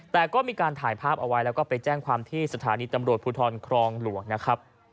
แต่ก็มีการถ่ายภาพเอาไว้แล้วก็ไปแจ้งความที่สถานีตำรวจภูทรครองหลวงนะครับ